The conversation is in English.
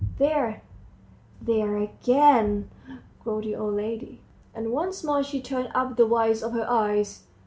"There ... there ... again," groaned the old lady, and once more she turned up the whites of her eyes.